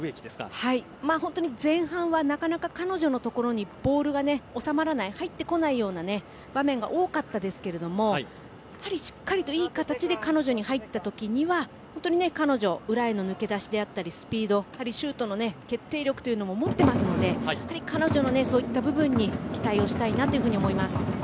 前半は、なかなか彼女のところにボールが収まらない入ってこないような場面が多かったですけれどもやはり、しっかりといい形で彼女に入った時は彼女、裏への抜け出しであったりスピードシュートの決定力も持っていますので彼女のそういった部分に期待したいなと思います。